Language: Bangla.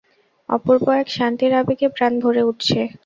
অপূর্ব এক শান্তির আবেগে প্রাণ ভরে উঠছে।